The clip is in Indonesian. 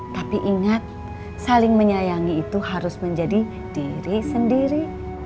tapi ingat saling menyayangi itu harus menjadi diri sendiri